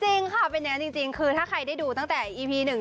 จริงค่ะเป็นยังไงจริงถ้าใครได้ดูตั้งแต่อีพีหนึ่ง